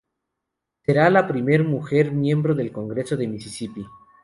Será la primera mujer miembro del Congreso de Mississippi.